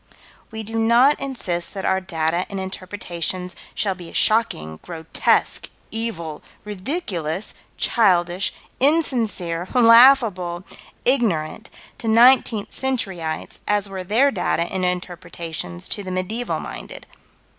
We do not insist that our data and interpretations shall be as shocking, grotesque, evil, ridiculous, childish, insincere, laughable, ignorant to nineteenth centuryites as were their data and interpretations to the medieval minded.